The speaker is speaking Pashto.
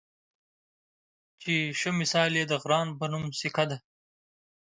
چې ښۀ مثال یې د غران پۀ نوم سیکه ده